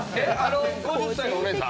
５０歳のお姉さん？